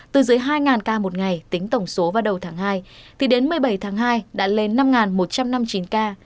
từ dưới hai ca một ngày tính tổng số vào đầu tháng hai thì đến một mươi bảy tháng hai đã lên năm một trăm năm mươi chín ca